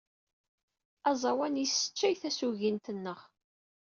Aẓawan yesseččay tasugint-nneɣ.